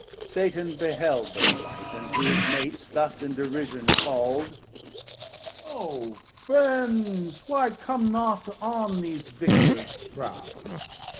Satan beheld thir plight, And to his Mates thus in derision call'd. O Friends, why come not on these Victors proud?